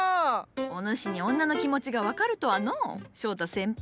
お主に女の気持ちが分かるとはのう翔太先輩。